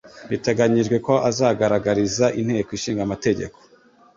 Biteganyijwe ko azagaragariza Inteko Ishinga Amategeko